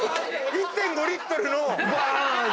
１．５リットルの。